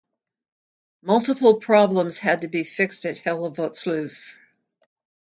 Multiple problems had to be fixed at Hellevoetsluis.